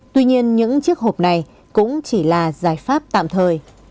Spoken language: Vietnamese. tuy nhiên những chiếc hộp này cũng chỉ là giải pháp tạm thời